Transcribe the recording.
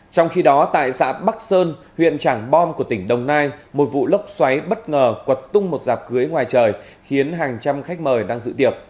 trong khi đó tại xã bắc sơn huyện trảng bom của tỉnh đồng nai một vụ lốc xoáy bất ngờ quật tung một dạp cưới ngoài trời khiến hàng trăm khách mời đang dự tiệc